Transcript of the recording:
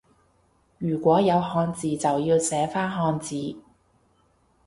如果有漢字就要寫返漢字